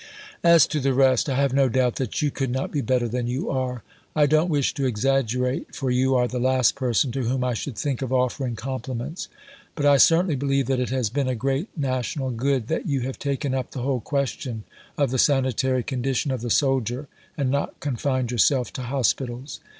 As to the rest, I have no doubt that you could not be better than you are. I don't wish to exaggerate (for you are the last person to whom I should think of offering compliments), but I certainly believe that it has been a great national good that you have taken up the whole question of the sanitary condition of the soldier and not confined yourself to hospitals.